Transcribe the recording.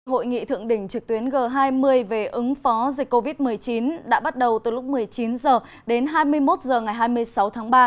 hội nghị thượng đỉnh trực tuyến g hai mươi về ứng phó dịch covid một mươi chín đã bắt đầu từ lúc một mươi chín h đến hai mươi một h ngày hai mươi sáu tháng ba